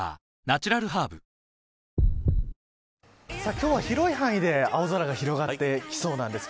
今日は広い範囲で青空が広がってきそうです。